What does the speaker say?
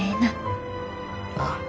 ああ。